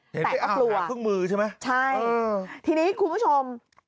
แตกก็กลัวใช่มั้ยอืมทีนี้คุณผู้ชม